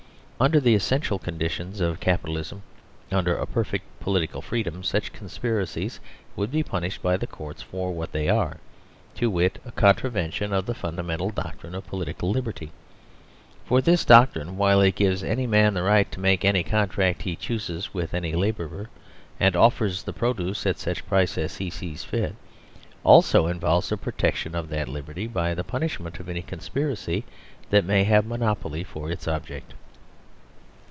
Under the essential conditions of Capitalism under a perfect political freedom such conspiracies % would be punished by the Courts for what they are : to wit, a contravention of the fundamental doctrine of political liberty. For this doctrine, while it gives any man the right to make any contract he chooses with any labourer and offer the produceat such prices as he sees fit, also involves the protection of that liberty by the punishment of any conspiracy that may have monopoly for its object.